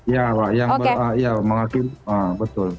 ya pak yang menghakimi betul